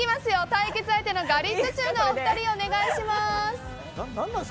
対決相手のガリットチュウのお二人お願いします。